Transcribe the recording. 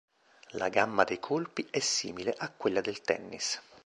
La gamma dei colpi è simile a quella del tennis.